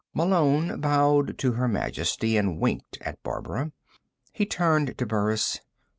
Malone bowed to Her Majesty, and winked at Barbara. He turned to Burris.